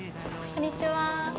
こんにちは。